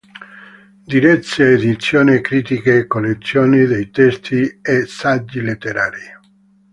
Diresse edizioni critiche e collezioni di testi e saggi letterari.